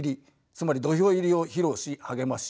つまり土俵入りを披露し励まし